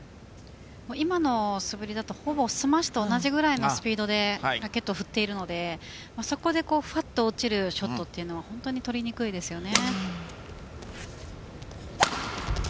今の素振りだとほぼスマッシュと同じくらいのスピードでラケットを振っているのでそこでふっと落ちるショットは本当に取りにくいですね。